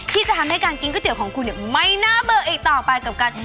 ที่จะทำให้การกินก๋วเตี๋ยของคุณเนี่ยไม่น่าเบอร์อีกต่อไปกับการ